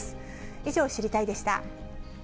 以上、知りたいッ！でした。